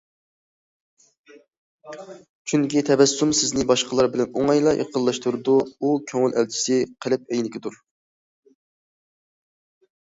چۈنكى، تەبەسسۇم سىزنى باشقىلار بىلەن ئوڭايلا يېقىنلاشتۇرىدۇ ئۇ، كۆڭۈل ئەلچىسى، قەلب ئەينىكىدۇر.